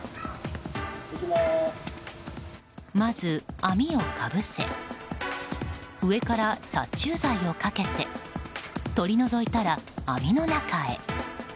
まず、網をかぶせ上から殺虫剤をかけて取り除いたら網の中へ。